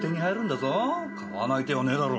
買わない手はねえだろ。